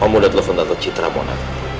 om udah telepon kata citra mona